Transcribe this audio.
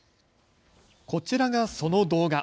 こちらがその動画。